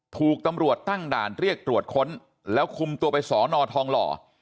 ถูกตำรวจตั้งด่านเรียกตรวจค้นแล้วคุมตัวไปสอนอทองหล่อ